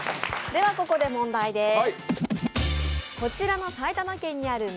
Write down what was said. ではここで問題です。